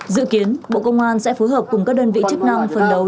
dự kiến bộ công an sẽ phối hợp cùng các đơn vị chức năng phân đấu